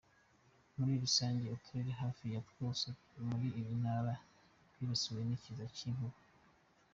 Muri rusange uturere hafi ya Twose muri iyi ntara twibasiwe n’ikiza cy’inkuba”.